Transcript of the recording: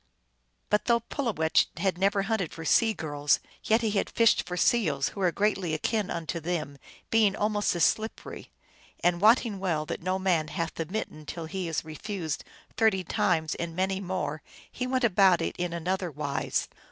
But though Pulowech had never hunted for sea girls, yet he had fished for seals, who are greatly akin unto them, being almost as slippery ; and wotting well that no man hath the mitten till he is refused thirty times and many more, he went about it in another wise.